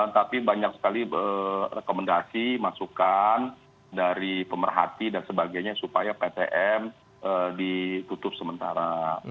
tapi banyak sekali rekomendasi masukan dari pemerhati dan sebagainya supaya ptm ditutup sementara